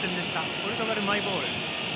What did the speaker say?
ポルトガル、マイボール。